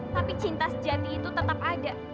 tapi cinta sejati itu tetap ada